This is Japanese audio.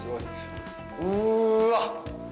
うーわっ！